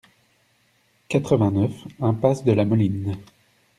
quatre-vingt-neuf impasse de la Moline